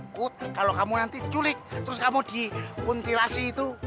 kalau kamu nanti diculik terus kamu di kuntilasi itu